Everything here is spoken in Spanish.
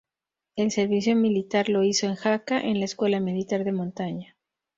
El servicio militar lo hizo en Jaca, en la Escuela Militar de Montaña.